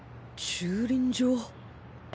駐輪場！？